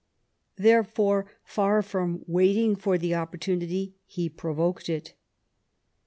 Therefore, far from waiting for the opportunity, he provoked it.